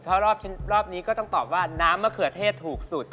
เพราะรอบนี้ก็ต้องตอบว่าน้ำมะเขือเทศถูกสุด